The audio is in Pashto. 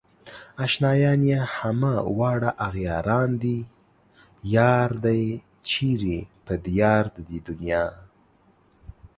اشنايان يې همه واړه اغياران دي يار دئ چيرې په ديار د دې دنيا